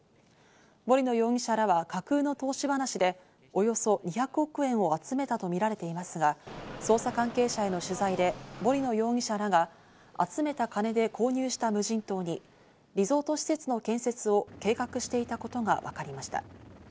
森野容疑者らは架空の投資話で、およそ２００億円を集めたとみられていますが、捜査関係者への取材で森野容疑者らが集めた金で購入した無人島にリゾート施設の建設を計画していたことがわかりました。